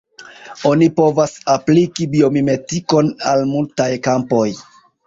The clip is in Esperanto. Oni povas apliki biomimetikon al multaj kampoj.